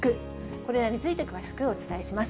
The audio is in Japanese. これらについて詳しくお伝えします。